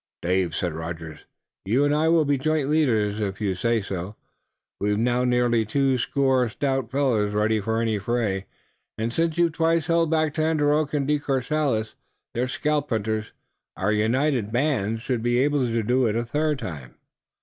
"Dave," said Rogers, "you and I will be joint leaders, if you say so. We've now nearly two score stout fellows ready for any fray, and since you've twice held back Tandakora, De Courcelles and their scalp hunters, our united bands should be able to do it a third time.